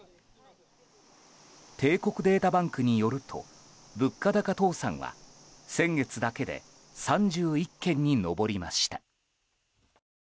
帝国データバンクによると物価高倒産は先月だけで３１件に上りました。